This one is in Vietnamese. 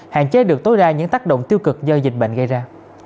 hạn chế được tối đa những tác động tiêu cực do dịch bệnh gây ra